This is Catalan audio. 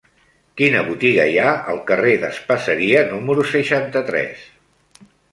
Quina botiga hi ha al carrer d'Espaseria número seixanta-tres?